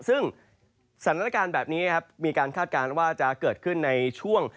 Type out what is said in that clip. ซึ่งสรรค์แบบนี้มีการคาดการณ์ว่าจะเกิดขึ้นในช่วง